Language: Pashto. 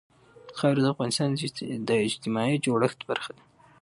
خاوره د افغانستان د اجتماعي جوړښت برخه ده.